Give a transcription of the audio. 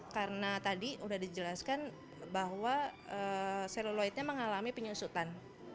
karena tadi sudah dijelaskan bahwa seluloidnya mengalami penyusutan